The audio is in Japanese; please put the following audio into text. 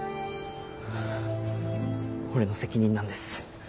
俺の責任なんです。